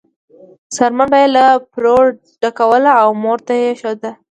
څرمن به یې له پروړې ډکوله او مور ته یې وښوده.